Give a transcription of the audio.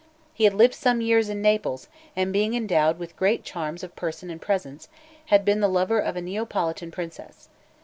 He had lived some years in Naples, and being endowed with great charms of person and presence, had been the lover of a Neapolitan princess.